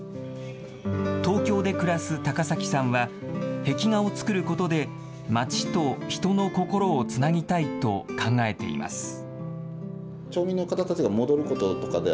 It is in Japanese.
東京で暮らす高崎さんは、壁画を作ることで町と人の心をつなぎたいと考えています。